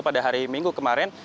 pada hari minggu kemarin